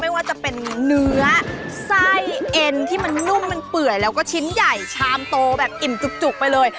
ไม่ว่าจะเป็นเนื้อไส้เอ็นที่มันนุ่มมันเปื่อยแล้วก็ชิ้นใหญ่ชามโตแบบอิ่มจุกไปเลย